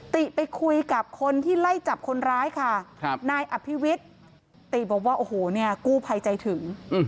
ติไปคุยกับคนที่ไล่จับคนร้ายค่ะนายอภิวิตติบอกว่าโอ้โหเนี่ยกู้ภัยใจถึง